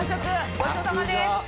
ごちそうさまです！